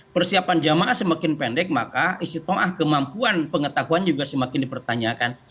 persiapan jamaah semakin pendek maka isi toah kemampuan pengetahuan juga semakin dipertanyakan